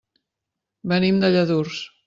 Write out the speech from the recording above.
Venim de Lladurs.